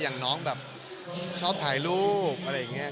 อย่างน้องแบบชอบถ่ายรูปอะไรอย่างนี้